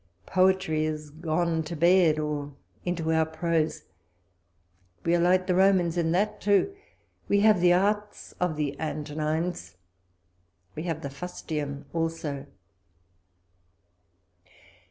Poetry is gone to bed, or into our prose ; we are like the Romans in that too. If we have the arts of the Antonines, — we have the fustian also.